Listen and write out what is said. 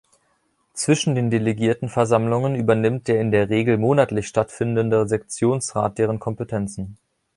Zwischen den Delegiertenversammlungen übernimmt der in der Regel monatlich stattfindende Sektionsrat deren Kompetenzen.